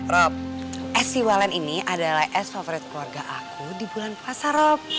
rob es si walen ini adalah es favorit keluarga aku di bulan puasa rob